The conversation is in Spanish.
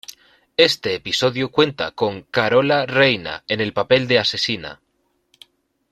Este episodio cuenta con Carola Reyna, en el papel de asesina.